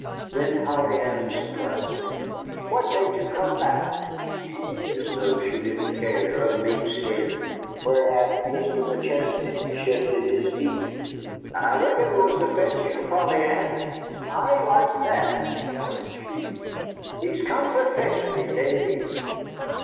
Then Polly Ann surprised me. "What made you come back?" said she, as though she didn't care a minkskin. Whereat Mr. McChesney shifted his feet. "I reckon it was to fetch you, Polly Ann." "I like that!" cried she. "He's come to fetch me, Davy."